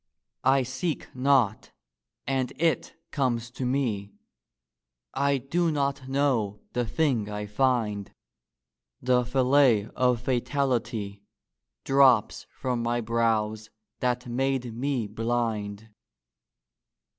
I seek not and it comes to me: I do not know the thing I find: The fillet of fatality Drops from my brows that made me blind.